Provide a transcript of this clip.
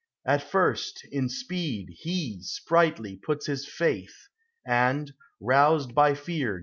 At flrst, in speed He, sprightly, puts Lis faith; and, roused by fear.